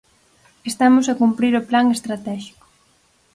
Estamos a cumprir o Plan estratéxico.